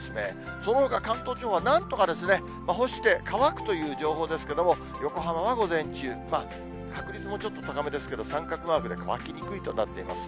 そのほか関東地方はなんとか干して乾くという情報ですけれども、横浜は午前中、確率もちょっと高めですけど、三角マークで乾きにくいとなっています。